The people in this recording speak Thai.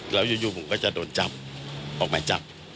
แล้วอยู่ผมก็จะโดนจับออกหมายจับ